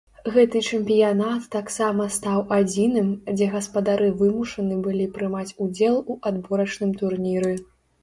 Гэты чэмпіянат таксама стаў адзіным, дзе гаспадары вымушаны былі прымаць удзел у адборачным турніры.